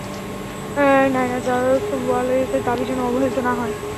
নায়না জয়সওয়ালের দাবি যেন অবহেলিত না হয়।